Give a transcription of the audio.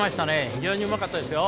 非常によかったですよ。